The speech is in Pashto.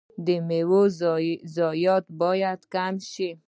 د میوو ضایعات باید کم شي.